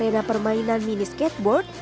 arena permainan mini skateboard